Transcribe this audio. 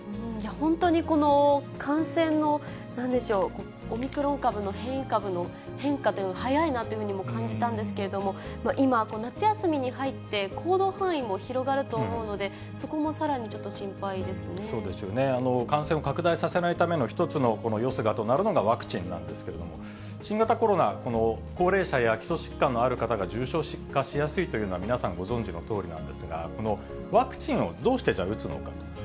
本当にこの感染の、なんでしょう、オミクロン株の変異株の変化というのは、早いなというふうにも感じたんですけども、今、夏休みに入って、行動範囲も広がると思うので、そこもさらにちょそうですよね、感染を拡大させないための一つのよすがとなるのが、ワクチンなんですけれども、新型コロナ、この高齢者や基礎疾患のある方が重症化しやすいというのは皆さんご存じのとおりなんですが、ワクチンをどうして、じゃあ、打つのかと。